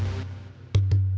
tapi sujarah kita bantuan bersama